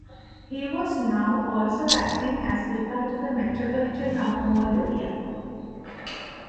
He was now also acting as vicar to the Metropolitan of Moldavia.